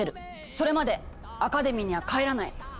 それまでアカデミーには帰らない！